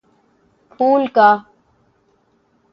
پھول کا